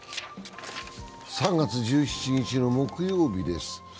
３月１７日の木曜日です。